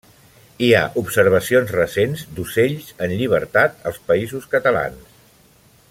Hi ha observacions recents d'ocells en llibertat als Països Catalans.